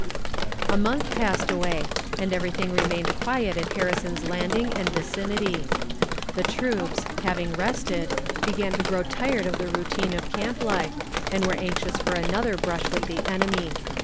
A month passed away, and everything remained quiet at Harrison's Landing and vicinity. The troops, having rested, began to grow tired of the routine of camp life, and were anxious for another brush with the enemy.